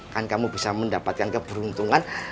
kan kamu bisa mendapatkan keberuntungan